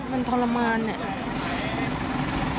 มันทรมานอ่ะ